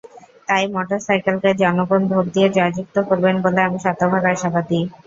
তাই মোটরসাইকেলকে জনগণ ভোট দিয়ে জয়যুক্ত করবেন বলে আমি শতভাগ আশাবাদী।